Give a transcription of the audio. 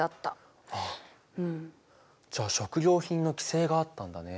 じゃあ食料品の規制があったんだね。